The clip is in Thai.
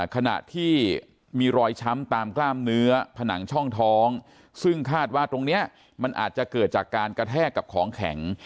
ขณะที่มีรอยช้ำตามกล้ามเนื้อผนังช่องท้องซึ่งคาดว่าตรงนี้มันอาจจะเกิดจากการกระแทกกับของแข็ง